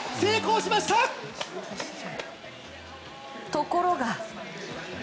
ところが。